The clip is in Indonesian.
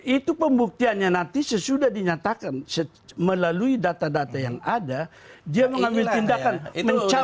itu pembuktiannya nanti sesudah dinyatakan melalui data data yang ada dia mengambil tindakan mencabut